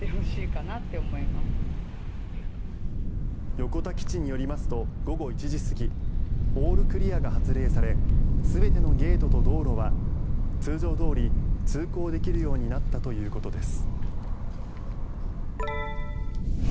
横田基地によりますと午後１時過ぎオールクリアが発令され全てのゲートと道路は通常どおり通行できるようになったということです。